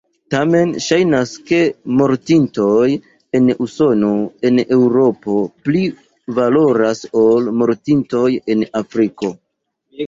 Tamen ŝajnas, ke mortintoj en Usono, en Eŭropo pli valoras ol mortintoj en Afriko.